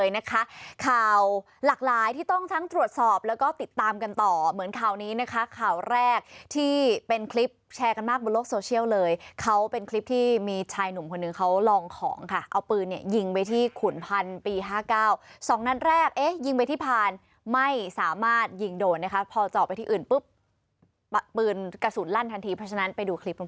นะคะข่าวหลากหลายที่ต้องทั้งตรวจสอบแล้วก็ติดตามกันต่อเหมือนข่าวนี้นะคะข่าวแรกที่เป็นคลิปแชร์กันมากบนโลกโซเชียลเลยเขาเป็นคลิปที่มีชายหนุ่มคนหนึ่งเขาลองของค่ะเอาปืนเนี่ยยิงไปที่ขุนพันธุ์ปี๕๙๒นัดแรกเอ๊ะยิงไปที่พานไม่สามารถยิงโดนนะคะพอเจาะไปที่อื่นปุ๊บปืนกระสุนลั่นทันทีเพราะฉะนั้นไปดูคลิปกัน